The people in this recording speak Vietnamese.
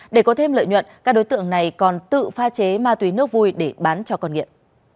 để có thêm lợi nhuận các đối tượng này còn tự pha chế ma túy nước vui để bán cho con nghiện